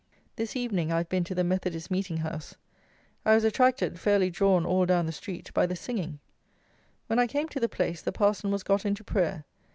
This evening I have been to the Methodist Meeting house. I was attracted, fairly drawn all down the street, by the singing. When I came to the place the parson was got into prayer.